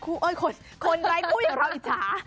คนแรกล้ายนิดหน้าใยคู่ค่ะอุ้ยคนหลายคู่อย่างเราอิชา